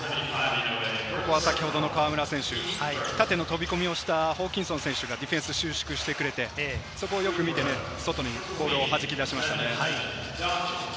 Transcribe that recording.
ここは先ほどの河村選手、縦の飛び込みをしたホーキンソン選手が収縮してくれて、そこをよく見てボールを弾き出しましたね。